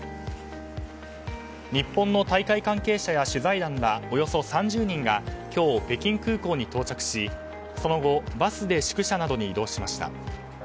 日本の大会関係者や取材団らおよそ３０人が今日、北京空港に到着しその後、バスで宿舎などに移動しました。